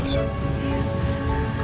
kalau kamu merasa capek